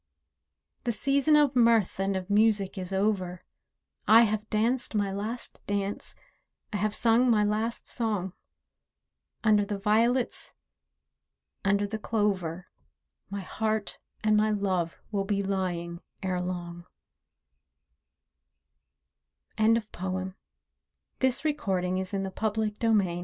The season of mirth and of music is over— I have danced my last dance, I have sung my last song, Under the violets, under the clover, My heart and my love will be lying ere long FOES Thank Fate for foes! I hold mine dear As v